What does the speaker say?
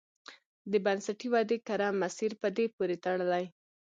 د بنسټي ودې کره مسیر په دې پورې تړلی.